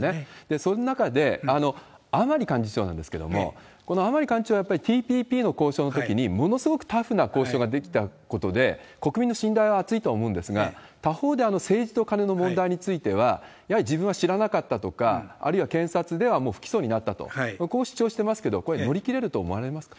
その中で、甘利幹事長なんですけれども、この甘利幹事長はやっぱりＴＰＰの交渉のときにものすごくタフな交渉ができたことで国民の信頼は厚いと思うんですが、他方で政治とカネの問題については、やはり自分は知らなかったとか、あるいは検察ではもう不起訴になったと、こう主張してますけれども、これ、乗り切れると思いますか？